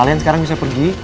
kalian sekarang bisa pergi